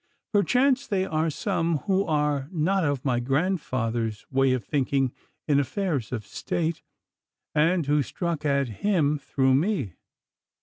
Perchance they are some who are not of my grandfather's way of thinking in affairs of State, and who struck at him through me.